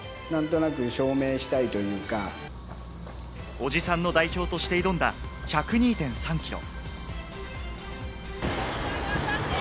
おじさんの代表として挑んだ１０２．３ｋｍ。